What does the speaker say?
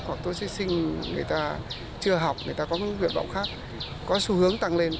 hoặc số thí sinh người ta chưa học người ta có nguyện vọng khác có xu hướng tăng lên